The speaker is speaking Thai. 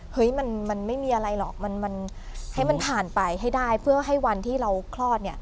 เฮ้ยมันไม่มีอะไรหรอก